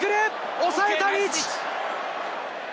おさえたリーチ！